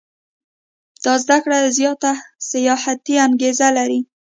دا زده کړه زیاته سیاحتي انګېزه لري.